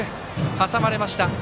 挟まれました。